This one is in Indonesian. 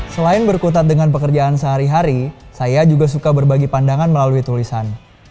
selain berkutat dengan pekerjaan sehari hari saya juga suka berbagi pandangan melalui tulisan